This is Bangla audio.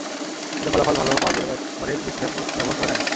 এতে ফলাফল ভালো পাওয়া গেলেও একবারের বেশি ব্যবহার করা যায় না।